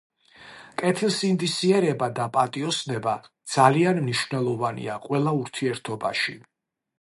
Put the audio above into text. კეთილსინდისიერება და პატიოსნება ძალიან მნიშვნელოვანია ყველა ურთიერთობაში.